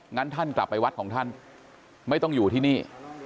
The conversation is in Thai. งั้นท่านกลับไปวัดของท่านไม่ต้องอยู่ที่นี่